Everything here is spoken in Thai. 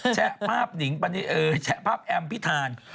แชะภาพแอมพิธาน